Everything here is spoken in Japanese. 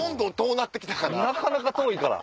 なかなか遠いから。